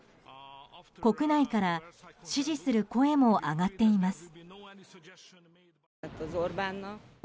国内から支持する声も上がっています。